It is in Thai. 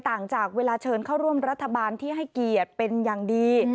ต่างจากเวลาเชิญเข้าร่วมรัฐบาลที่ให้เกียรติเป็นอย่างดี